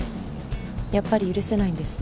やっぱり許せないんですね